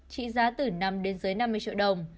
trị giá từ năm đến dưới năm mươi triệu đồng